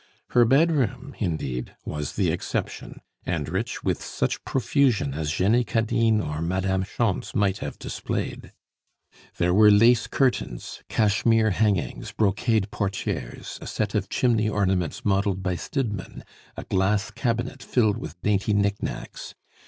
Her bedroom, indeed, was the exception, and rich with such profusion as Jenny Cadine or Madame Schontz might have displayed. There were lace curtains, cashmere hangings, brocade portieres, a set of chimney ornaments modeled by Stidmann, a glass cabinet filled with dainty nicknacks.